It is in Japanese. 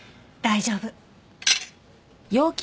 大丈夫。